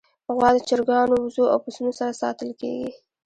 غوا د چرګانو، وزو، او پسونو سره ساتل کېږي.